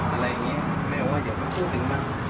อะไรอย่างนี้แม้ว่าเดี๋ยวมันพูดถึงบ้าง